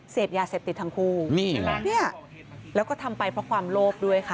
เสพยาเสพติดทั้งคู่เนี่ยแล้วก็ทำไปเพราะความโลภด้วยค่ะ